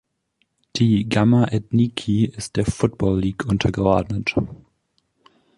Die Gamma Ethniki ist der Football League untergeordnet.